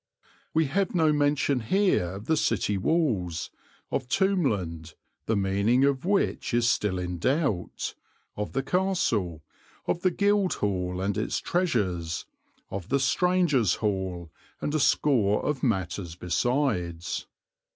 We have no mention here of the city walls, of Tombland, the meaning of which is still in doubt, of the castle, of the Guildhall and its treasures, of the Strangers' Hall and a score of matters besides.